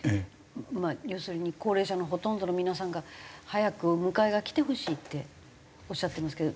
まあ要するに高齢者のほとんどの皆さんが「早くお迎えがきてほしい」っておっしゃってますけど。